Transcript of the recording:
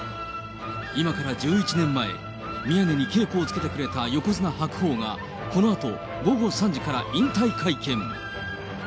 今から１１年前、宮根に稽古をつけてくれた横綱・白鵬が、このあと、午後３時から引退会見。